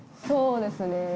そうですね。